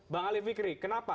bang ali fikri kenapa